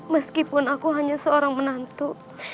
meskipun aku hanya seorang menantu